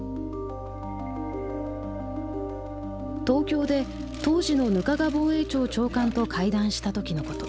東京で当時の額賀防衛庁長官と会談した時のこと。